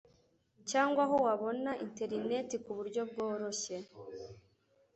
cyangwa aho wabona interineti ku buryo bworoshye,